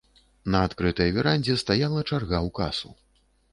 На адкрытай верандзе стаяла чарга ў касу.